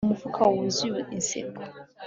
Umufuka wuzuye inseko